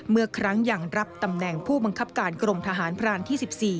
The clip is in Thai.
เมื่อครั้งยังรับตำแหน่งผู้บังคับการกรมทหารพรานที่๑๔